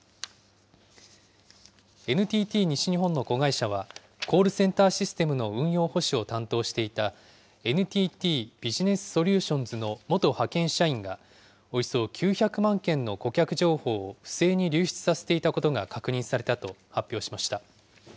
ＮＴＴ西日本の子会社は、コールセンターシステムの運用保守を担当していた、ＮＴＴビジネスソリューションズの元派遣社員が、およそ９００万件の顧客情報を不正に流出させていたことが確認されたと発表しました。